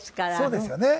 そうですよね。